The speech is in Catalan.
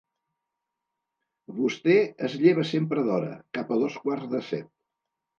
Vostè es lleva sempre d'hora, cap a dos quarts de set.